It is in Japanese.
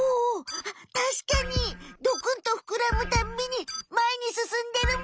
あったしかにドクンとふくらむたんびにまえにすすんでるむ！